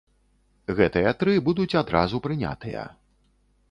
Гэтыя тры будуць адразу прынятыя.